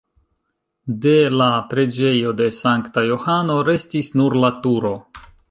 De la preĝejo de Sankta Johano restis nur la turo.